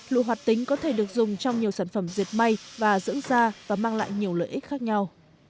lụa hoạt tính có thể được dùng trong nhiều sản phẩm diệt mây và dưỡng da và mang lại nhiều lợi ích khác nhau